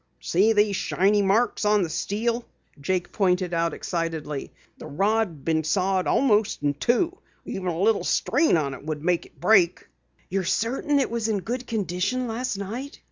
"See these shiny marks on the steel," Jake pointed out excitedly. "The rod had been sawed almost in two. Even a little strain on it would make it break." "You're certain it was in good condition last night?"